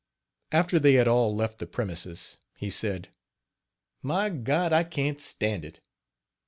" After they had all left the premises, he said: "My God! I can't stand it.